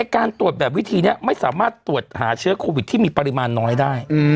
การตรวจแบบวิธีนี้ไม่สามารถตรวจหาเชื้อโควิดที่มีปริมาณน้อยได้